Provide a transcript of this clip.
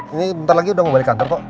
ini bentar lagi udah mau balik kantor kok